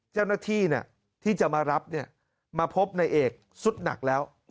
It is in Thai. เจ้าหน้าที่ที่จะมารับมาพบในเอกสุดหนักแล้ว